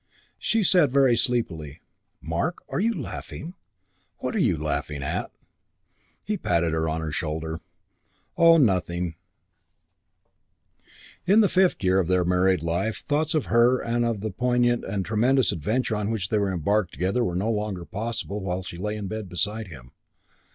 She said very sleepily, "Mark, are you laughing? What are you laughing at?" He patted her shoulder. "Oh, nothing." One nature? CHAPTER III I One nature? In the fifth year of their married life thoughts of her and of the poignant and tremendous adventure on which they were embarked together were no longer possible while she lay in bed beside him.